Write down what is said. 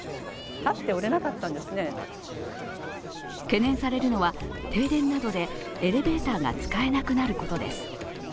懸念されるのは停電などでエレベーターが使えなくなることです。